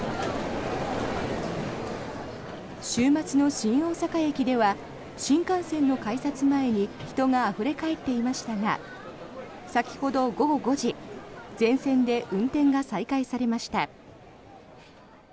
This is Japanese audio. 週末の新大阪駅では新幹線の改札前に人があふれ返っていましたが先ほど午後５時全線で運転が再開されました。